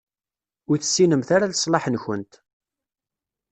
Ur tessinemt ara leṣlaḥ-nkent.